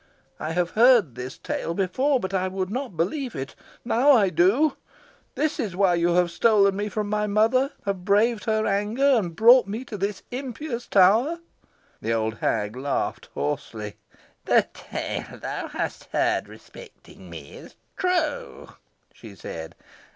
I have heard this tale before, but I would not believe it. Now I do. This is why you have stolen me from my mother have braved her anger and brought me to this impious tower." The old hag laughed hoarsely. "The tale thou hast heard respecting me is true," she said.